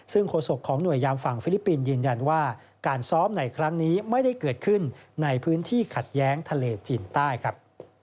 ซึ่งโฆษกของหน่วยยามฝั่งฟิลิปปินส์ยืนยันว่าการซ้อมในครั้งนี้ไม่ได้เกิดขึ้นในพื้นที่ขัดแย้งทะเลจีนใต้ครับ